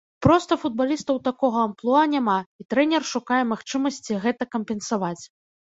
Проста футбалістаў такога амплуа няма, і трэнер шукае магчымасці гэта кампенсаваць.